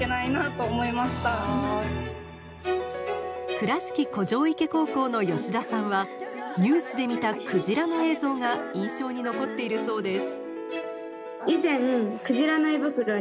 倉敷古城池高校の吉田さんはニュースで見たクジラの映像が印象に残っているそうです。